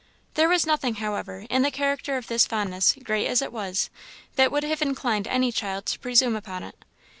There was nothing, however, in the character of this fondness, great as it was, that would have inclined any child to presume upon it.